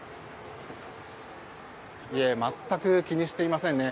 いえ全く気にしていませんね。